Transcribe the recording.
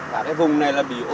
cả cái vùng này là bị ô nhiễm hết